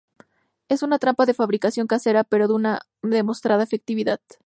Es una trampa de fabricación casera, pero de una demostrada efectividad.